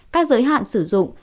các giới hạn sử dụng